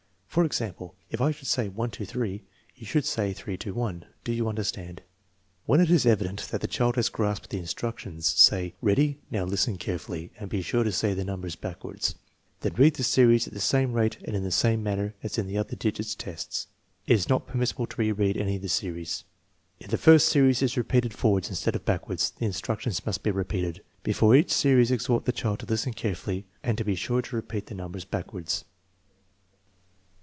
For example, if I should say 1 2 3, you would say 3 2 1. Do you understand ?" When it is evident that the child has grasped the instructions, say: " Ready now; listen carefully, and be sure to say the numbers backwards" Then read the series at the same rate and in the same manner as in the other digits tests. It is not permissible to re read any of the series. If the first series is repeated forwards instead of back wards, the instructions must be repeated. Before each series exhort the child to listen carefully and to be sure to repeat the numbers backwards.